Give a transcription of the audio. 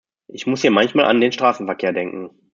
Ich muss hier manchmal an den Straßenverkehr denken.